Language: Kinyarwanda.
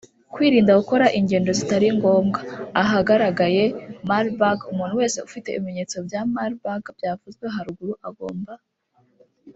Kwirinda gukora ingendo zitari ngombwa ahagaragaye Marburg; Umuntu wese ufite ibimenyetso bya Marburg byavuzwe haruguru agomba